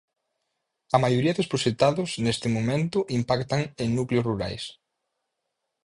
A maioría dos proxectados neste momento impactan en núcleos rurais.